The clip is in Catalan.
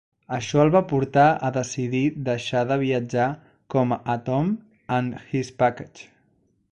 Això el va portar a decidir deixar de viatjar com Atom and His Package.